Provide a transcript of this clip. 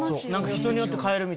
人によって変えるみたい。